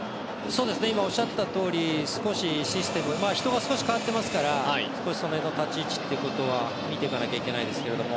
今、おっしゃったとおり少しシステムというか人が少し代わっていますからその辺の立ち位置ってところは見ていかないといけませんけど。